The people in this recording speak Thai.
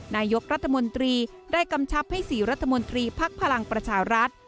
นายกรัฐมนตรีได้กำชับให้๔รัฐมนตรีพักพลังประชารัฐ